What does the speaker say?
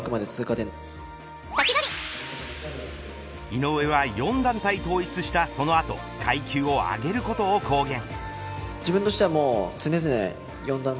井上は４団体統一したその後階級を上げることを公言。